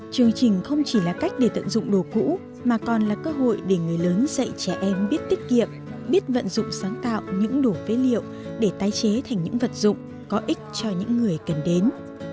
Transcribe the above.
chương trình không chỉ là cách để tận dụng đồ cũ mà còn là cơ hội để người lớn dạy trẻ em biết tiết kiệm biết vận dụng sáng tạo những đồ phế liệu để tái chế thành những vật dụng có ích cho những người cần đến